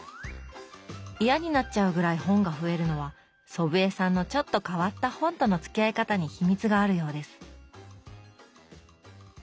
嫌になっちゃうぐらい本が増えるのは祖父江さんのちょっと変わった本とのつきあい方に秘密があるようです。